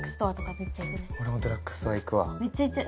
めっちゃ行っちゃう。